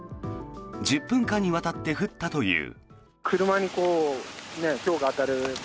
１０分間にわたって降ったという。